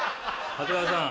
長谷川さん。